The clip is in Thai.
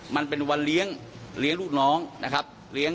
มันเป็นวันเลี้ยงลูกน้องนะครับ